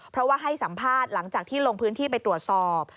เพราะว่าให้สัมภาษณ์หลังจากที่ลงพื้นที่ไปตรวจสอบ